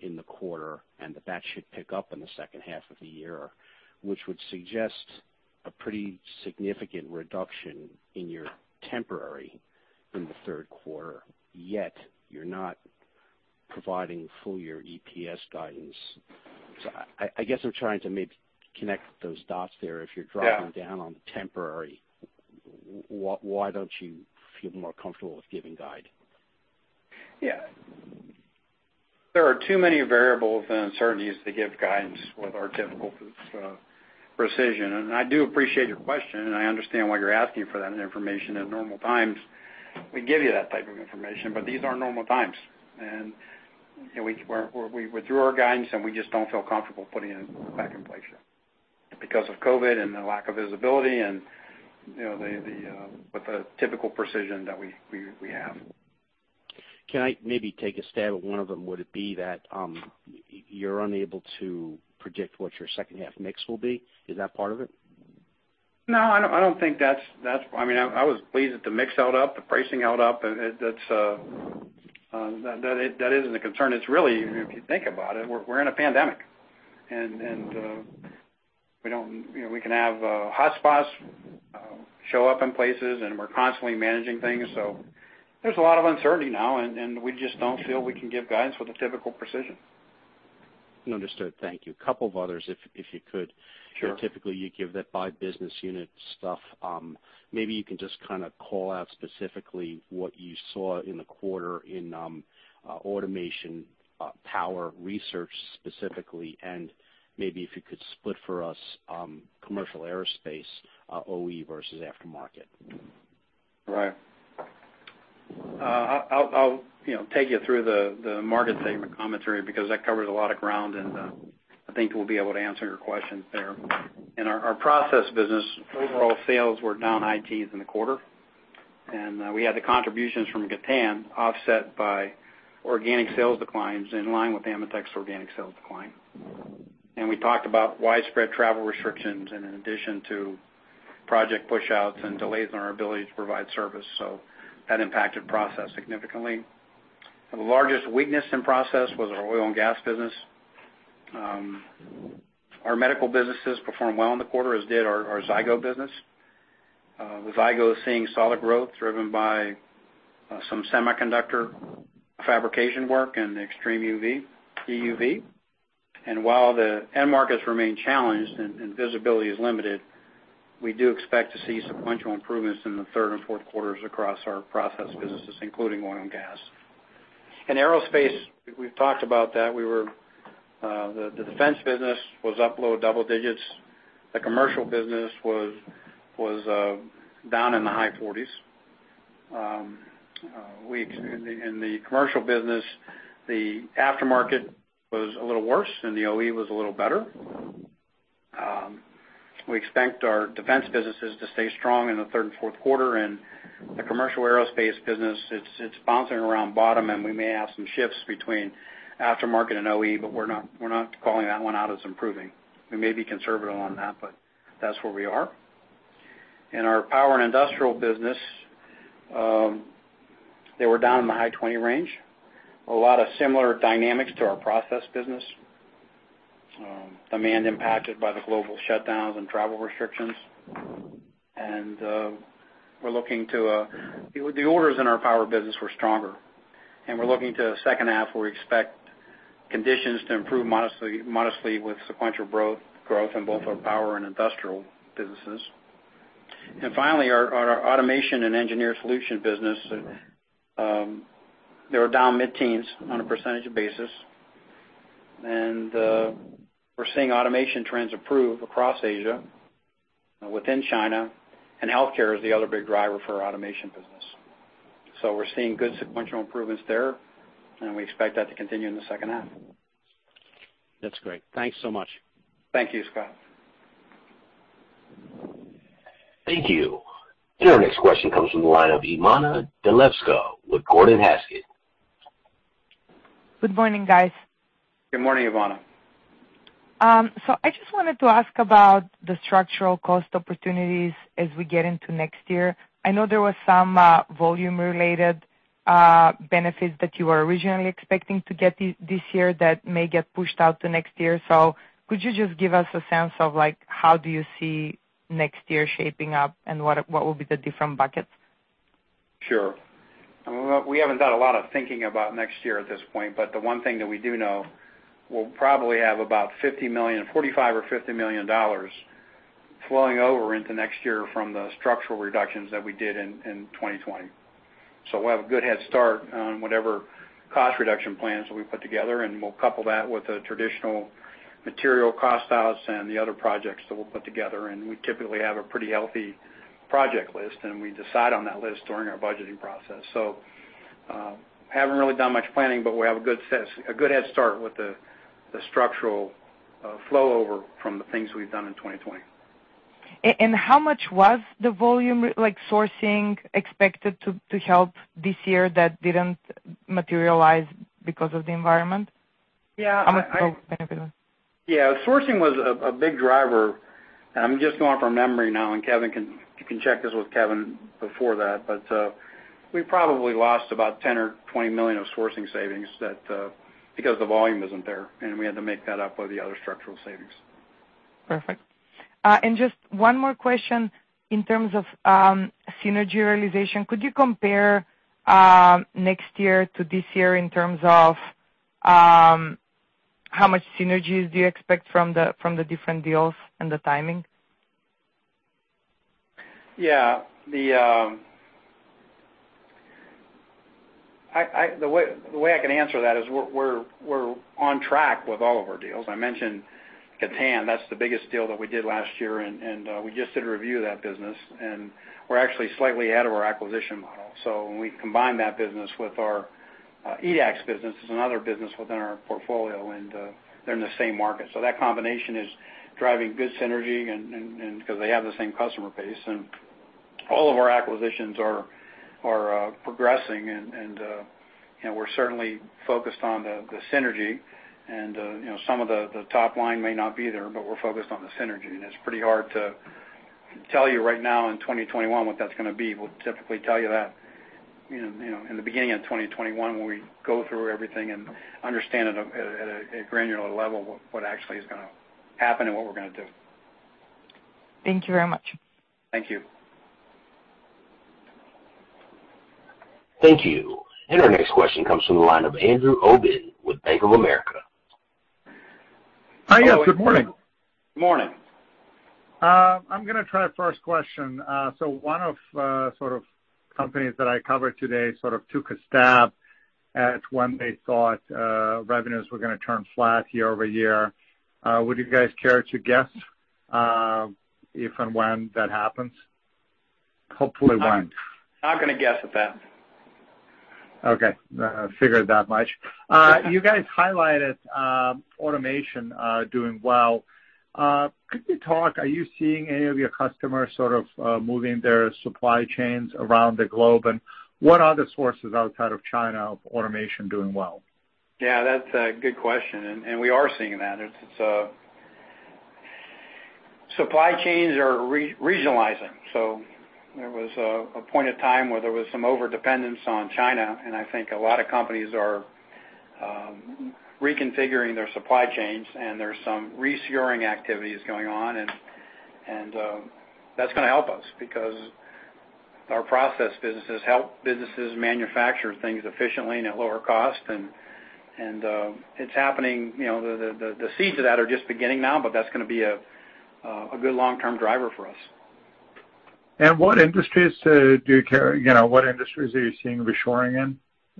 in the quarter, and that should pick up in the second half of the year, which would suggest a pretty significant reduction in your temporary in the third quarter, yet you're not providing full-year EPS guidance. I guess I'm trying to maybe connect those dots there if you're— Yeah dropping down on temporary. Why don't you feel more comfortable with giving guidance? Yeah. There are too many variables and uncertainties to give guidance with our typical precision. I do appreciate your question, and I understand why you're asking for that information. In normal times, we give you that type of information, but these aren't normal times, and we withdrew our guidance, and we just don't feel comfortable putting it back in place yet because of COVID-19 and the lack of visibility and with the typical precision that we have. Can I maybe take a stab at one of them? Would it be that you're unable to predict what your second half mix will be? Is that part of it? I was pleased that the mix held up, the pricing held up. That isn't a concern. It's really, if you think about it, we're in a pandemic, and we can have hotspots show up in places, and we're constantly managing things. There's a lot of uncertainty now, and we just don't feel we can give guidance with a typical precision. Understood. Thank you. Couple of others, if you could. Sure. Typically, you give that by business unit stuff. Maybe you can just kind of call out specifically what you saw in the quarter in automation and power research, specifically, and maybe if you could split for us commercial aerospace OE versus aftermarket. Right. I'll take you through the market segment commentary because that covers a lot of ground, and I think we'll be able to answer your question there. In our process business, overall sales were down high-teens in the quarter. We had the contributions from Gatan offset by organic sales declines in line with AMETEK's organic sales decline. We talked about widespread travel restrictions in addition to project push-outs and delays in our ability to provide service. That impacted the process significantly. The largest weakness in process was our oil and gas business. Our medical businesses performed well in the quarter, as did our ZYGO business, with ZYGO seeing solid growth driven by some semiconductor fabrication work and extreme UV, EUV. While the end markets remain challenged and visibility is limited, we do expect to see sequential improvements in the third and fourth quarters across our process businesses, including oil and gas. In aerospace, we've talked about that. The defense business was up low-double-digits. The commercial business was down in the high 40s. In the commercial business, the aftermarket was a little worse, and the OE was a little better. We expect our defense businesses to stay strong in the third and fourth quarters. The commercial aerospace business is bouncing around the bottom, and we may have some shifts between aftermarket and OE, but we're not calling that one out as improving. We may be conservative on that, but that's where we are. In our power and industrial business, they were down in the high 20 range. A lot of similar dynamics to our process business. Demand impacted by the global shutdowns and travel restrictions. The orders in our power business were stronger. We're looking to the second half, where we expect conditions to improve modestly with sequential growth in both our power and industrial businesses. Finally, our Automation and Engineered Solutions business was down mid-teens on a percentage basis. We're seeing automation trends improve across Asia and within China, and healthcare is the other big driver for our automation business. We're seeing good sequential improvements there, and we expect that to continue in the second half. That's great. Thanks so much. Thank you, Scott. Thank you. Our next question comes from the line of Ivana Delevska with Gordon Haskett. Good morning, guys. Good morning, Ivana. I just wanted to ask about the structural cost opportunities as we get into next year. I know there were some volume-related benefits that you were originally expecting to get this year that may get pushed out to next year. Could you just give us a sense of how do you see next year shaping up, and what will be the different buckets? Sure. We haven't done a lot of thinking about next year at this point, but the one thing that we do know, we'll probably have about $45 million or $50 million flowing over into next year from the structural reductions that we did in 2020. We'll have a good head start on whatever cost reduction plans that we put together, and we'll couple that with the traditional material cost outs and the other projects that we'll put together. We typically have a pretty healthy project list, and we decide on that list during our budgeting process. Haven't really done much planning, but we have a good head start with the structural flow over from the things we've done in 2020. How much was the volume sourcing expected to help this year that didn't materialize because of the environment? Yeah. How much benefit? Yeah, sourcing was a big driver. I'm just going from memory now. You can check this with Kevin before that. We probably lost about $10 million or $20 million of sourcing savings because the volume isn't there. We had to make that up with the other structural savings. Perfect. Just one more question in terms of synergy realization. Could you compare next year to this year in terms of how much synergies do you expect from the different deals and the timing? Yeah. The way I can answer that is we're on track with all of our deals. I mentioned Gatan. That's the biggest deal that we did last year, and we just did a review of that business, and we're actually slightly ahead of our acquisition model. When we combine that business with our EDAX business, it is another business within our portfolio, and they're in the same market. That combination is driving good synergy because they have the same customer base. All of our acquisitions are progressing, and we're certainly focused on the synergy. Some of the top line may not be there, but we're focused on the synergy. It's pretty hard to tell you right now in 2021 what that's going to be. We'll typically tell you that in the beginning of 2021 when we go through everything and understand it at a granular level, what actually is going to happen and what we're going to do. Thank you very much. Thank you. Thank you. Our next question comes from the line of Andrew Obin with Bank of America. Hi, yes. Good morning. Good morning. I'm going to try the first question. One of the sorts of companies that I cover today sort of took a stab at when they thought revenues were going to turn flat year-over-year. Would you guys care to guess if and when that happens? Hopefully when. Not going to guess at that. Okay. Figured that much. You guys highlighted automation doing well. Are you seeing any of your customers sort of moving their supply chains around the globe? What other sources of outside of China automation are doing well? Yeah, that's a good question. We are seeing that. Supply chains are regionalizing. There was a point in time where there was some overdependence on China, and I think a lot of companies are reconfiguring their supply chains, and there are some reshoring activities going on. That's going to help us because our process businesses help businesses manufacture things efficiently and at lower cost. It's happening. The seeds of that are just beginning now, but that's going to be a good long-term driver for us. What industries are you seeing reshoring in,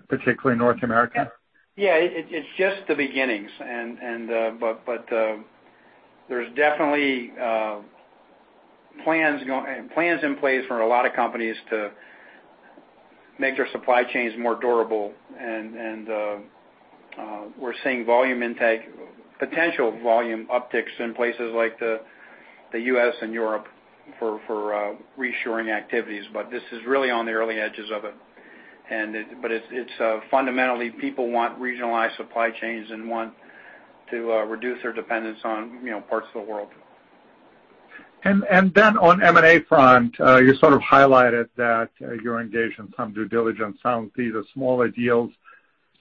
particularly North America? Yeah, it's just the beginnings. There are definitely plans in place for a lot of companies to make their supply chains more durable. We're seeing volume intake and potential volume upticks in places like the U.S. and Europe for reshoring activities. This is really on the early edges of it. It's fundamentally people who want regionalized supply chains and want to reduce their dependence on parts of the world. On M&A front, you sort of highlighted that you're engaged in some due diligence on these smaller deals.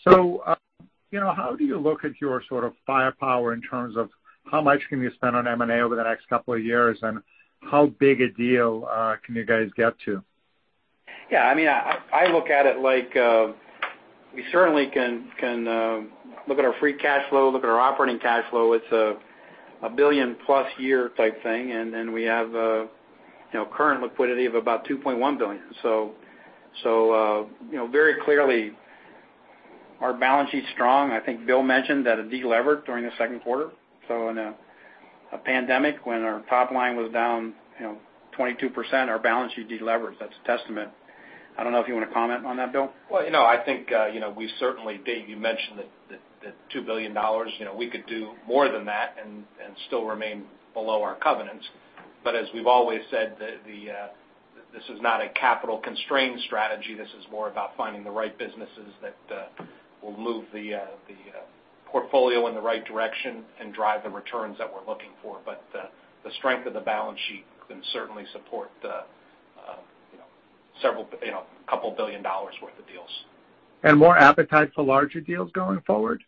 How do you look at your sort of firepower in terms of how much you can spend on M&A over the next couple of years, and how big a deal can you guys get to? Yeah, I look at it like we certainly can look at our free cash flow and look at our operating cash flow. It's a billion-plus-year type thing. We have current liquidity of about $2.1 billion. Very clearly, our balance sheet's strong. I think Bill mentioned that it deleveraged during the second quarter. In a pandemic, when our top line was down 22%, our balance sheet de-leveraged. That's a testament. I don't know if you want to comment on that, Bill. Well, I think we certainly did. You mentioned the $2 billion. We could do more than that and still remain below our covenants. As we've always said, this is not a capital-constrained strategy. This is more about finding the right businesses that will move the portfolio in the right direction and drive the returns that we're looking for. The strength of the balance sheet can certainly support a couple of billion dollars worth of deals. More appetite for larger deals going forward?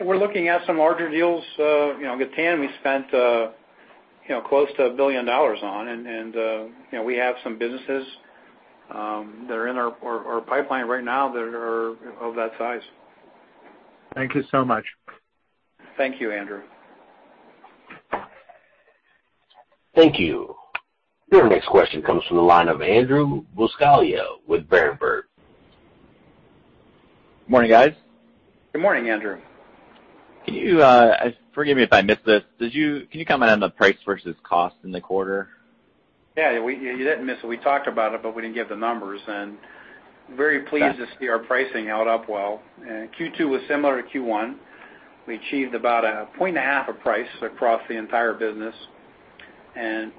We're looking at some larger deals. Gatan, we spent close to $1 billion on, and we have some businesses that are in our pipeline right now that are of that size. Thank you so much. Thank you, Andrew. Thank you. Your next question comes from the line of Andrew Buscaglia with Berenberg. Morning, guys. Good morning, Andrew. Can you forgive me if I missed this? Can you comment on the price versus cost in the quarter? Yeah, you didn't miss it. We talked about it, but we didn't give the numbers. Very pleased to see our pricing held up well. Q2 was similar to Q1. We achieved about a point and a half of price across the entire business.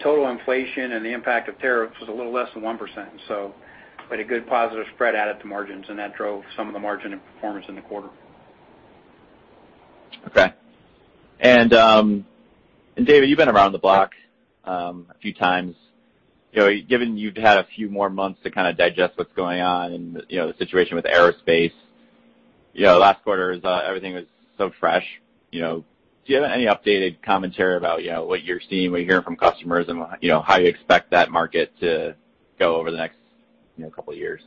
Total inflation and the impact of tariffs were a little less than 1%. Quite a good positive spread added to margins, and that drove some of the margin and performance in the quarter. Okay. David, you've been around the block a few times. Given you've had a few more months to kind of digest what's going on with the situation with aerospace. Last quarter everything was so fresh. Do you have any updated commentary about what you're seeing, what you're hearing from customers, and how you expect that market to go over the next couple of years?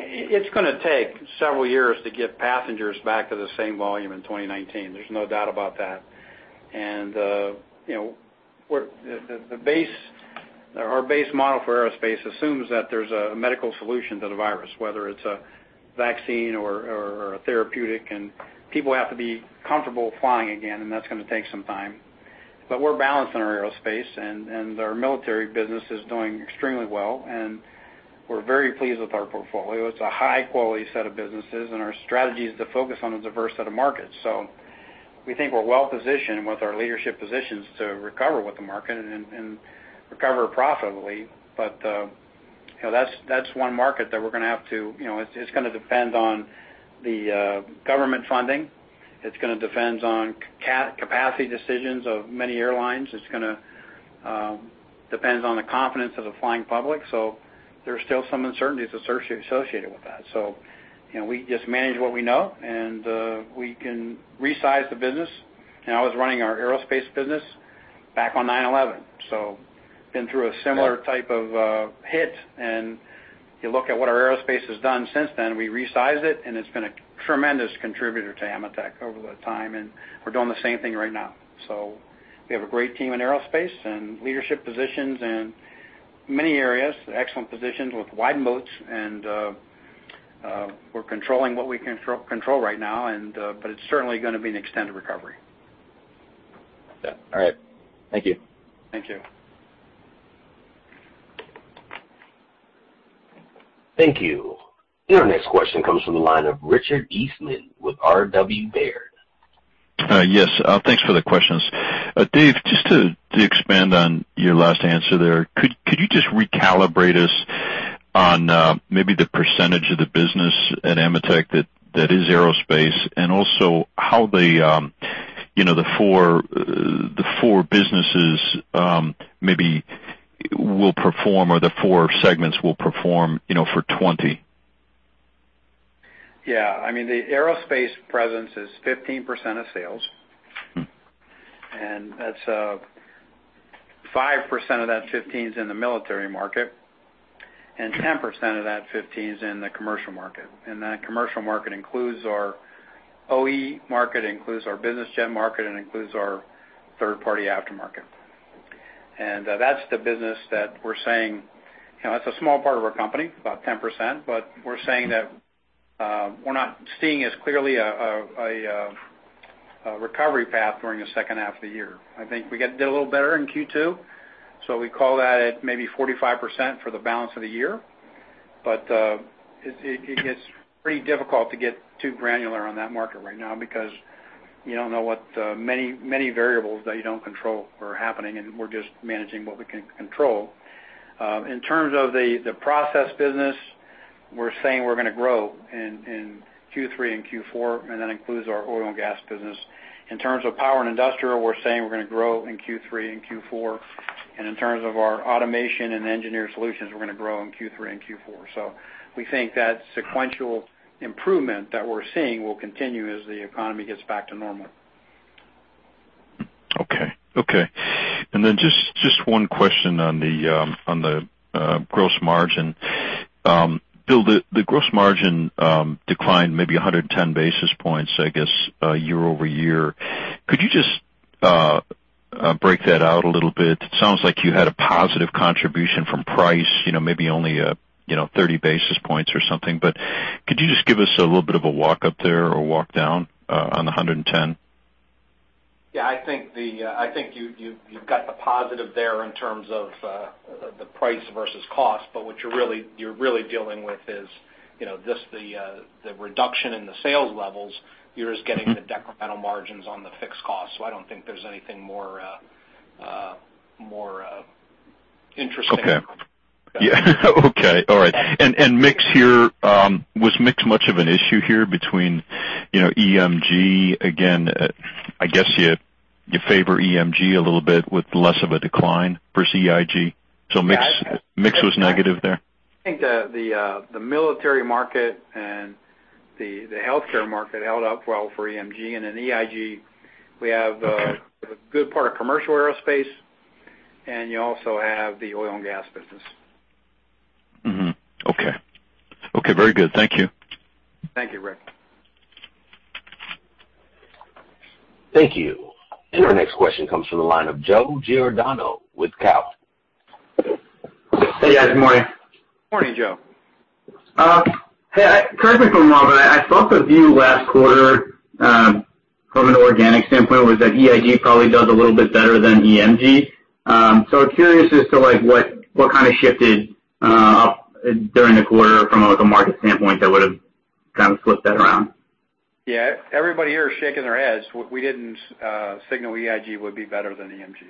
It's going to take several years to get passengers back to the same volume in 2019. There's no doubt about that. Our base model for aerospace assumes that there's a medical solution to the virus, whether it's a vaccine or a therapeutic. People have to be comfortable flying again, and that's going to take some time. We're balanced in our aerospace, and our military business is doing extremely well, and we're very pleased with our portfolio. It's a high-quality set of businesses, and our strategy is to focus on a diverse set of markets. We think we're well-positioned with our leadership positions to recover with the market and recover profitably. That's one market that it's going to depend on the government funding, it's going to depend on the capacity decisions of many airlines. It's going to depend on the confidence of the flying public. There's still some uncertainty associated with that. We just manage what we know, and we can resize the business. I was running our aerospace business back on 9/11, so I've been through a similar type of hit, and you can look at what our aerospace has done since then. We resized it, and it's been a tremendous contributor to AMETEK over time, and we're doing the same thing right now. We have a great team in aerospace and leadership positions in many areas and excellent positions with wide moats, and we're controlling what we can control right now, but it's certainly going to be an extended recovery. Yeah. All right. Thank you. Thank you. Thank you. Your next question comes from the line of Richard Eastman with RW Baird. Yes. Thanks for the questions. Dave, just to expand on your last answer there, could you just recalibrate us on maybe the percentage of the business at AMETEK that is aerospace and also how the four businesses maybe will perform, or the four segments will perform, for 2020? Yeah. The aerospace presence is 15% of sales. 5% of that 15 is in the military market, and 10% of that 15 is in the commercial market. That commercial market includes our OE market, includes our business jet market, and includes our third-party aftermarket. That's the business that we're saying is a small part of our company, about 10%, but we're saying that we're not seeing as clear a recovery path during the second half of the year. I think we did a little better in Q2, so we call that at maybe 45% for the balance of the year. It's pretty difficult to get too granular on that market right now because you don't know what many variables that you don't control are happening, and we're just managing what we can control. In terms of the process business, we're saying we're going to grow in Q3 and Q4, and that includes our oil and gas business. In terms of power and industrial, we're saying we're going to grow in Q3 and Q4, and in terms of our automation and engineered solutions, we're going to grow in Q3 and Q4. We think that sequential improvement that we're seeing will continue as the economy gets back to normal. Okay. Just one question on the gross margin. Bill, the gross margin declined maybe 110 basis points, I guess, year-over-year. Could you just break that out a little bit? It sounds like you had a positive contribution from price, maybe only 30 basis points or something, but could you just give us a little bit of a walk up there, or walk down on the 110? Yeah, I think you've got the positive there in terms of the price versus cost, but what you're really dealing with is just the reduction in the sales levels. The incremental margins on the fixed cost. I don't think there's anything more interesting. Okay. Yeah okay. All right. Mix here, was mix much of an issue here between EMG, again, I guess you favor EMG a little bit with less of a decline versus EIG. Mix was negative there? I think the military market and the healthcare market held up well for EMG, and in EIG, we have a good part of commercial aerospace, and you also have the oil and gas business. Mm-hmm. Okay. Very good. Thank you. Thank you, Rick. Thank you. Our next question comes from the line of Joe Giordano with Cowen. Hey, guys. Good morning. Morning, Joe. Hey, correct me if I'm wrong, but I thought the view last quarter from an organic standpoint was that EIG probably does a little bit better than EMG. Curious as to what kind of shifted up during the quarter from a market standpoint that would've kind of flipped that around? Yeah. Everybody here is shaking their heads. We didn't signal EIG would be better than EMG.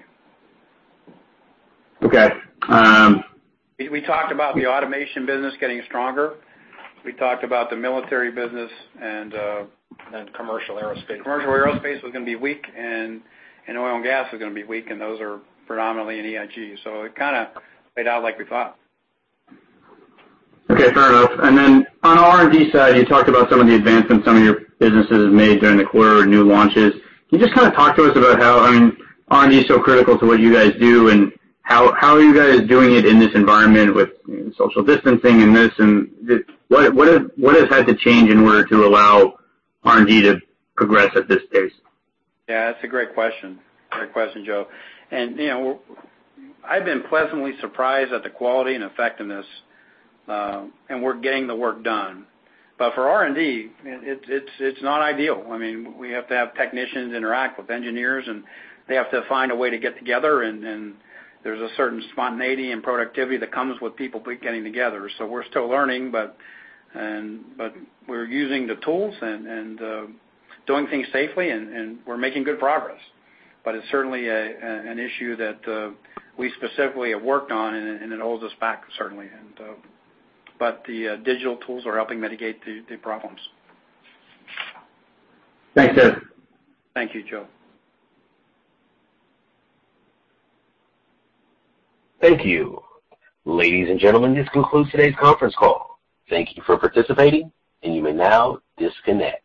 Okay. We talked about the automation business getting stronger. We talked about the military business. Commercial aerospace. commercial aerospace was going to be weak, and oil and gas was going to be weak, and those are predominantly in EIG. It kind of laid out like we thought. Okay. Fair enough. On the R&D side, you talked about some of the advancements some of your businesses have made during the quarter and new launches. Can you just kind of talk to us about how R&D is so critical to what you guys do, and how are you guys doing it in this environment with social distancing and this and that? What has had to change in order to allow R&D to progress at this pace? Yeah, that's a great question, Joe. I've been pleasantly surprised at the quality and effectiveness, and we're getting the work done. For R&D, it's not ideal. We have to have technicians interact with engineers, and they have to find a way to get together, and there's a certain spontaneity and productivity that comes with people getting together. We're still learning. We're using the tools and doing things safely, and we're making good progress. It's certainly an issue that we specifically have worked on, and it holds us back certainly. The digital tools are helping mitigate the problems. Thanks, Dave. Thank you, Joe. Thank you. Ladies and gentlemen, this concludes today's conference call. Thank you for participating, and you may now disconnect.